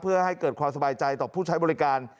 เพื่อให้เกิดความสบายใจต่อผู้ใช้บริการ